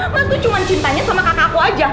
mas tuh cuman cintanya sama kakak aku aja